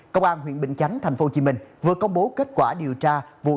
công an huyện bình chánh tp hcm vừa công bố kết quả điều tra vụ